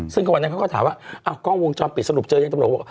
ซึ่งกับวันนั้นเขาก็ถามว่าอ้าวกล้องวงจอมปิดสรุปเจออย่างตำรวจ